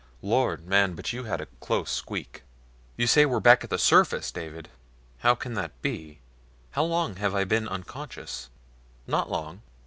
Lord, man, but you had a close squeak!" "You say we're back at the surface, David? How can that be? How long have I been unconscious?" "Not long.